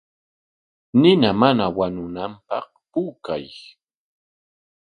Nina mana wañunanpaq puukay.